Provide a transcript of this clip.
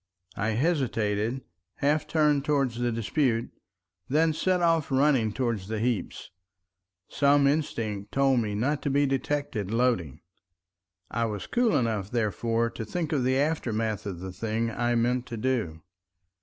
I hesitated, half turned towards the dispute, then set off running towards the heaps. Some instinct told me not to be detected loading. I was cool enough therefore to think of the aftermath of the thing I meant to do.